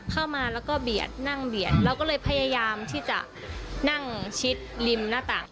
เข้ามาแล้วก็เบียดนั่งเบียดเราก็เลยพยายามที่จะนั่งชิดริมหน้าต่าง